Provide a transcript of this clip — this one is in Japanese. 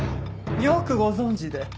よくご存じで。